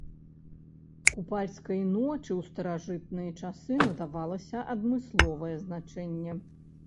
Купальскай ночы ў старажытныя часы надавалася адмысловае значэнне.